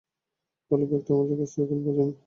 তাহলে, ব্যাগটা তাদের কাছ থেকে এখনো পাওয়া যায়নি।